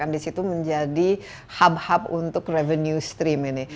di situ menjadi hub hub untuk revenue stream ini